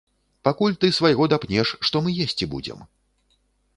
Пакуль ты свайго дапнеш, што мы есці будзем?